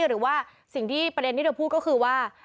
หรือว่าสิ่งที่ประเด็นที่เธอพูดก็คือว่า